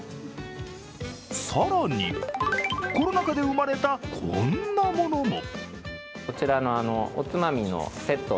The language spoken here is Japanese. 更に、コロナ禍で生まれたこんなものも。